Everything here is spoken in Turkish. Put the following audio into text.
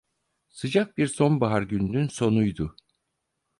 Sıcak bir sonbahar gününün sonuydu.